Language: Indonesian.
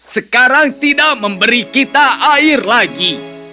sekarang tidak memberi kita air lagi